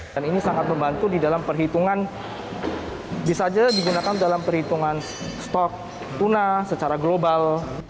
dan ini sangat membantu di dalam perhitungan bisa saja digunakan dalam perhitungan stok tuna secara global